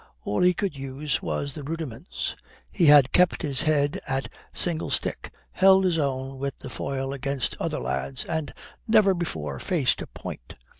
All he could use was the rudiments. He had kept his head at singlestick, held his own with the foil against other lads, and never before faced a point.